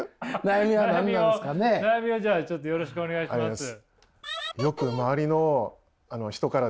悩みをじゃあちょっとよろしくお願いします。